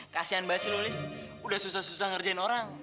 kasian banget sih lo liz udah susah susah ngerjain orang